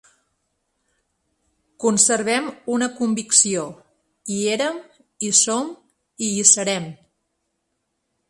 Conservem una convicció: hi érem, hi som i hi serem.